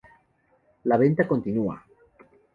La venta continúa!